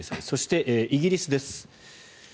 そして、イギリスです。